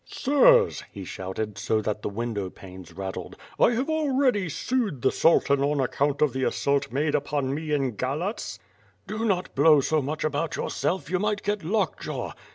"Sirs," he shouted, so that the window panes rattled, "I have already sued the Sultan on account of the assault made upon me in Galatz." *'Do not blow so much about yourself, you might get lock jaw."